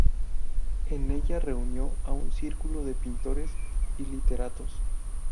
En ella reunió a un círculo de pintores y literatos.